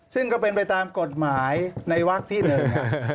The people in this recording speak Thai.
ซึ่งก็เป็นไปตามกฎหมายในวักที่หนึ่ง